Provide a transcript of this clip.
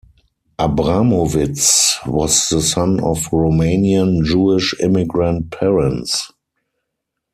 Abramovitz was the son of Romanian Jewish immigrant parents.